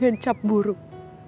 dengan cap buruk